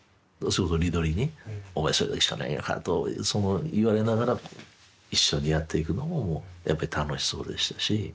それこそリドリーにお前それだけしかないのかと言われながら一緒にやっていくのもやっぱり楽しそうでしたし。